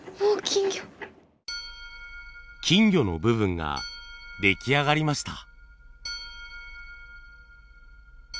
金魚の部分が出来上がりました。